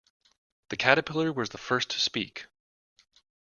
The Caterpillar was the first to speak.